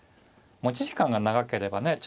持ち時間が長ければね